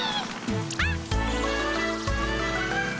あっ！